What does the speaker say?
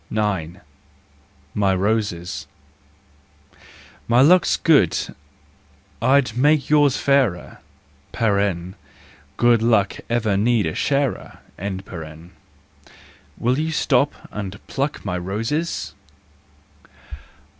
9 My Roses . My luck's good—I'd make yours fairer, (Good luck ever needs a sharer). Will you stop and pluck my roses